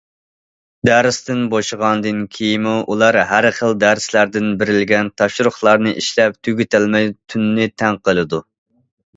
دەرستىن بوشىغاندىن كېيىنمۇ ئۇلار ھەر خىل دەرسلەردىن بېرىلگەن تاپشۇرۇقلارنى ئىشلەپ تۈگىتەلمەي تۈننى تەڭ قىلىدۇ.